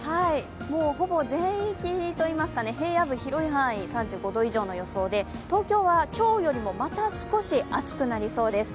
もうほぼ全域といいますか平野部の広い範囲、３５度以上の予想で、東京は今日よりもまた少し暑くなりそうです。